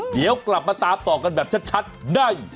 เดี๋ยวกลับมาตามต่อกันแบบชัดได้